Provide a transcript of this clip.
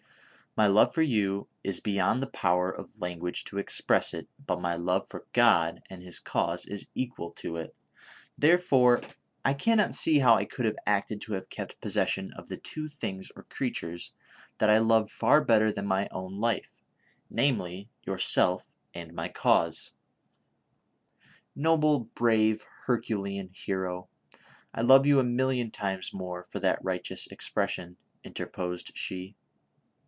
My love for you is beyond the power of huiguage to express it ; but my love for God and his cause is equal to it ; therefore, I cannot see how I could have acted to have kept possession of the two things or crea tures that I love far better than my own life, namely, your self and my cause "—" Noble, brave, herculean hero, I love you a million times more for that righteous expression," interposed she.